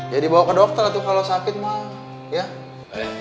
ya dibawa ke dokter tuh kalau sakit mbak